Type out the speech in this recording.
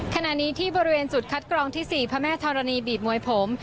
ขณะนี้ที่บริเวณจุดคัดกรองที่๔พระแม่ธรณีบีบมวยผม